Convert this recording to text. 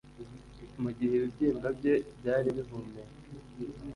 Mugihe ibibyimba bye byari bihumeka